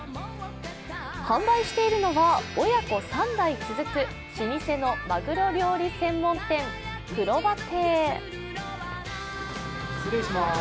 販売しているのは親子３代続く老舗のマグロ理専門店くろば亭。